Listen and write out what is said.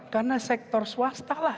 karena sektor swasta lah